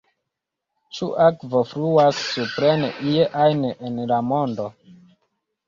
Ĉu akvo fluas supren ie ajn en la mondo?